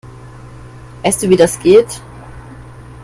Weißt du, wie das geht?